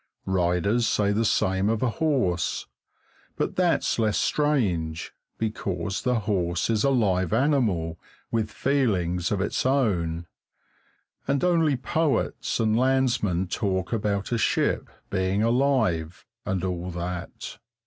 Riders say the same of a horse, but that's less strange, because the horse is a live animal with feelings of its own, and only poets and landsmen talk about a ship being alive, and all that.